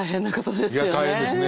いや大変ですね。